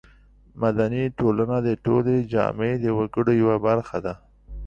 مدني ټولنه د ټولې جامعې د وګړو یوه برخه ده.